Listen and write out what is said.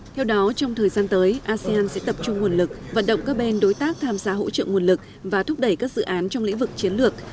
theo đó trong thời gian tới asean sẽ tập trung nguồn lực vận động các bên đối tác tham gia hỗ trợ nguồn lực và thúc đẩy các dự án trong lĩnh vực chiến lược